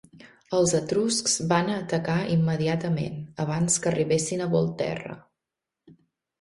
Els etruscs van atacar immediatament, abans que arribessin a Volterra.